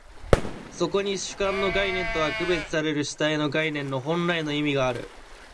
そこに主観の概念とは区別される主体の概念の本来の意味がある。